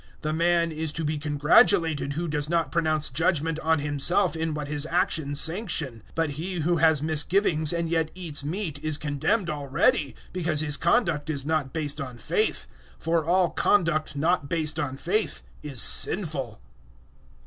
The man is to be congratulated who does not pronounce judgement on himself in what his actions sanction. 014:023 But he who has misgivings and yet eats meat is condemned already, because his conduct is not based on faith; for all conduct not based on faith is sinful.